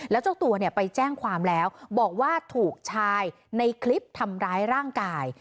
แล้วเจ้าตัวเนี่ยไปแจ้งความแล้วบอกว่าถูกชายในคลิปทำร้ายร่างกาย